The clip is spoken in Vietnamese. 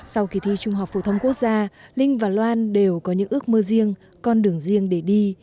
sau kỳ thi trung học phổ thông quốc gia linh và loan đều có những ước mơ riêng con đường riêng để đi